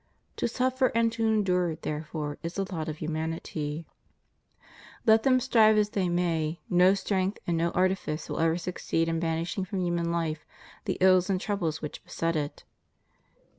To suffer and to endure, therefore, is the lot of humanity; let them strive as they may, no strength and no artifice will ever succeed in banishing from human life the ills and troubles which beset it.